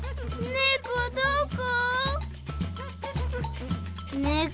ねこどこ？